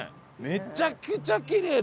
めちゃくちゃうまい！